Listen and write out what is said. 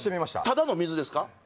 ただの水ですか？